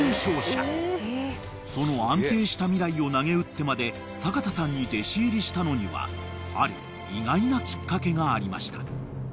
［その安定した未来をなげうってまで阪田さんに弟子入りしたのにはある意外なきっかけがありました］